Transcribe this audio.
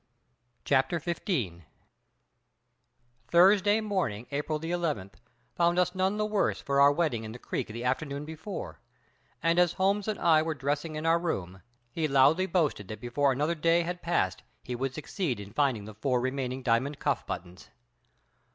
CHAPTER XV Thursday morning, April the eleventh, found us none the worse for our wetting in the creek the afternoon before; and as Holmes and I were dressing in our room, he loudly boasted that before another day had passed he would succeed in finding the four remaining diamond cuff buttons.